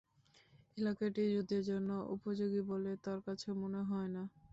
এলাকাটি যুদ্ধের জন্য উপযোগী বলে তার কাছে মনে হয় না।